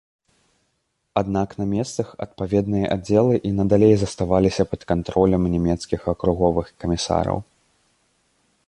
Аднак на месцах адпаведныя аддзелы і надалей заставаліся пад кантролем нямецкіх акруговых камісараў.